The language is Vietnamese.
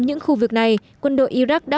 những khu vực này quân đội iraq đã